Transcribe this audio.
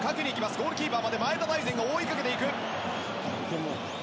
ゴールキーパーまで前田大然が追いかけていく。